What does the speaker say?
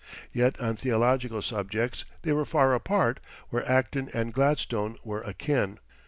Yet on theological subjects they were far apart where Acton and Gladstone were akin.